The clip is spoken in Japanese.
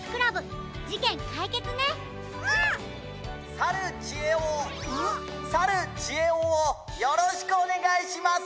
「さるちえおをよろしくおねがいします！